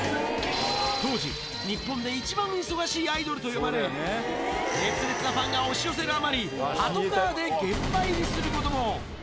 当時、日本で一番忙しいアイドルと呼ばれ、熱烈なファンが押し寄せるあまり、パトカーで現場入りすることも。